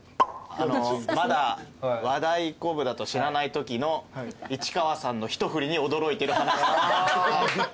まだ和太鼓部だと知らないときの市川さんの一振りに驚いてる。